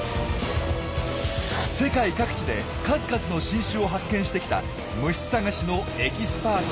世界各地で数々の新種を発見してきた虫探しのエキスパートです。